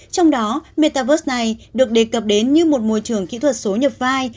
trong đó metaverse này được đề cập đến như một môi trường kỹ thuật số nhập vai